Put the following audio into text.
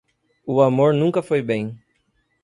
O amor nunca foi bem.